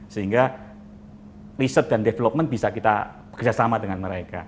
sehingga riset dan development bisa kita bekerjasama dengan mereka